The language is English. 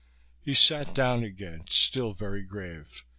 He sat down again, still very grave.